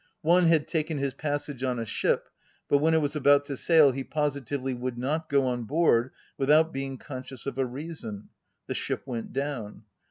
One had taken his passage on a ship, but when it was about to sail he positively would not go on board without being conscious of a reason;—the ship went down.